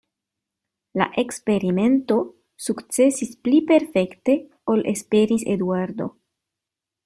La eksperimento sukcesis pli perfekte ol esperis Eduardo.